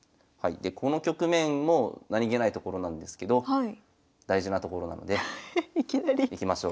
でこの局面も何気ないところなんですけど大事なところなんでいきなり。いきましょう。